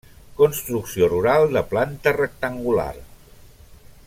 Construcció rural de planta rectangular.